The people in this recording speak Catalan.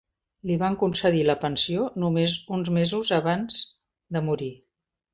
Li van concedir la pensió només un mesos abans de morir.